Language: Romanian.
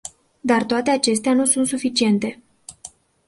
Dar toate acestea nu sunt suficiente.